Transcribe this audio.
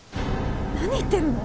何言ってるの？